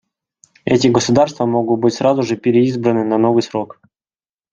Эти государства могут быть сразу же переизбраны на новый срок.